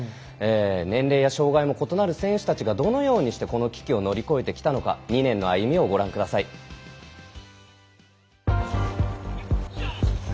年齢や障がいも異なる選手たちがどのようにして、この危機を乗り越えてきたのか２年の歩みをご覧ください。